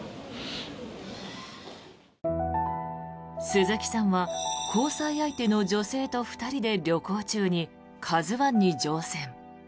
鈴木さんは交際相手の女性と２人で旅行中に「ＫＡＺＵ１」に乗船。